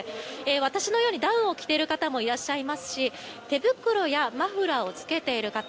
私のようにダウンを着ている方もいらっしゃいますし手袋やマフラーをつけている方